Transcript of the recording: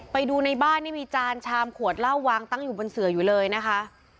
ไปดูในบ้านนี่มีจานชามขวดเหล้าวางตั้งอยู่บนเสืออยู่เลยนะคะ